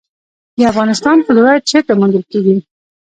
د افغانستان فلورایټ چیرته موندل کیږي؟